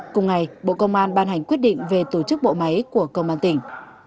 cùng ngày bộ công an ban hành quyết định về tổ chức bộ máy của công an tỉnh